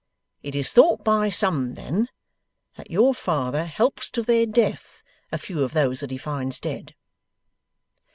It is thought by some, then, that your father helps to their death a few of those that he finds dead.